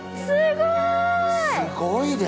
すごい！